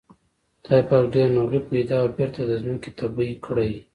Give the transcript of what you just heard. خدای پاک ډېر نوغې پيدا او بېرته د ځمکې تبی کړې.